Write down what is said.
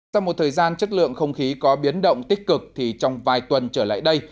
sau một thời gian chất lượng không khí có biến động tích cực thì trong vài tuần trở lại đây